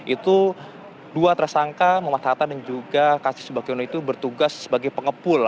itu dua tersangka muhammad hatta dan juga kasi subakyono itu bertugas sebagai pengepul